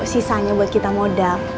sisanya buat kita modal